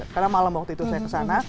karena malam waktu itu saya kesana